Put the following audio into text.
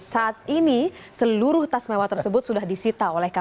saat ini seluruh tas mewah tersebut sudah disita oleh kpk